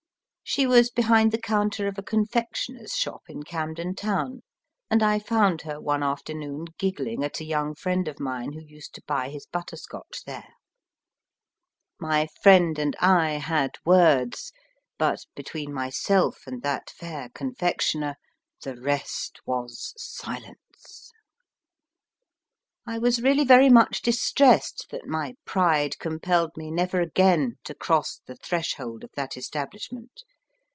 She was behind the counter of a confectioner s shop in Camden Town, and I found her one afternoon giggling at a young friend of mine who used to buy his butterscotch there. My friend and I had words, but THE DINING ROOM between myself and that fair confectioner the rest was silence. I was really very much distressed that my pride com pelled me never again to cross the threshold of that establishment.